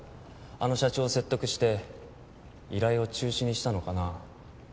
あの社長を説得して依頼を中止にしたのかな？